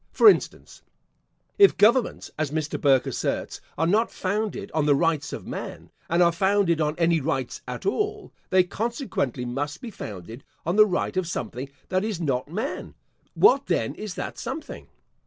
For instance, If governments, as Mr. Burke asserts, are not founded on the Rights of Man, and are founded on any rights at all, they consequently must be founded on the right of something that is not man. What then is that something?